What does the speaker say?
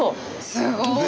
すごい！